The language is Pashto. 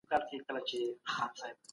کمپيوټر بِلونه لېږي.